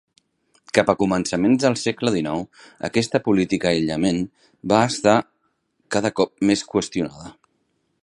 Cap a començaments del segle XIX, aquesta política aïllament va estar cada cop més qüestionada.